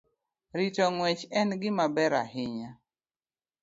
Rito ng'wech en gima ber ahinya